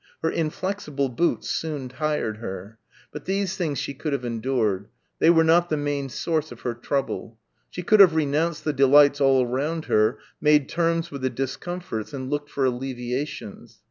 Her inflexible boots soon tired her.... But these things she could have endured. They were not the main source of her troubles. She could have renounced the delights all round her, made terms with the discomforts and looked for alleviations.